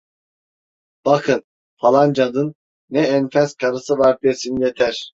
"Bakın, falancanın ne enfes karısı var!" desin yeter!